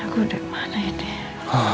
gue udah mana ini